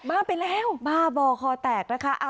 บ้าไปแล้วบ้าบ่อคอแตกนะคะ